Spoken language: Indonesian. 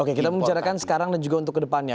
oke kita membicarakan sekarang dan juga untuk kedepannya